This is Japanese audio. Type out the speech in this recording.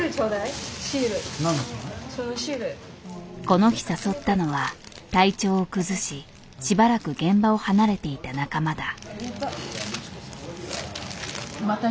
この日誘ったのは体調を崩ししばらく現場を離れていた仲間だ。